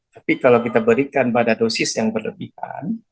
tapi kalau kita berikan pada dosis yang berlebihan